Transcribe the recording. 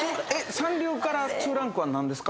三流から２ランクはなんですか？